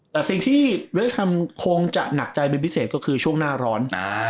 แต่สิ่งที่เวสทำคงจะหนักใจเป็นพิเศษก็คือช่วงหน้าร้อน